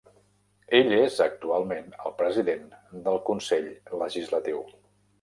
Ell és actualment el president del Consell legislatiu.